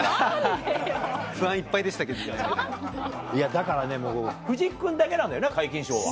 だからねもう藤木君だけなんだよな皆勤賞は。